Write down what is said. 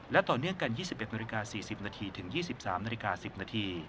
และต่อเนื่องกัน๒๑นาฬิกา๔๐นาทีถึง๒๓นาฬิกา๑๐นาที